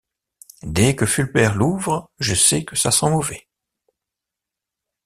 Dès que Fulbert l'ouvre je sais que ça sent mauvais.